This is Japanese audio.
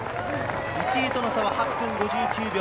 １位との差は８分５９秒。